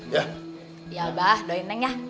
ya pak doain neng ya